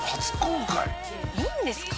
「いいんですか？」